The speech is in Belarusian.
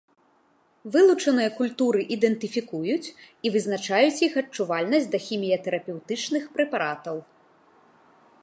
Вылучаныя культуры ідэнтыфікуюць і вызначаюць іх адчувальнасць да хіміятэрапеўтычных прэпаратаў.